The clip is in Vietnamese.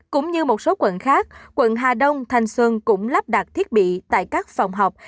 cũng như một số quận khác quận hà đông thanh xuân cũng lắp đặt thiết bị tại các phòng học